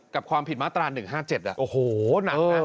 กับความผิดมาตรา๑๕๗โอ้โหหนักนะ